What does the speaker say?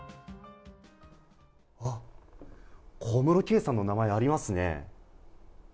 あっ、小室圭さんの名前、ありますね。